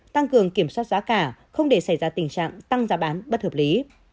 tăng cường kiểm soát giá cả không để xảy ra tình trạng tăng giá bán bất hợp lý